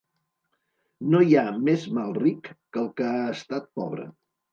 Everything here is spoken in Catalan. No hi ha més mal ric que el que ha estat pobre.